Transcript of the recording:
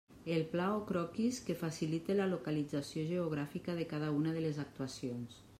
El pla o croquis, que facilite la localització geogràfica de cada una de les actuacions.